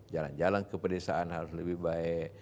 jalan jalan kepedesan harus lebih baik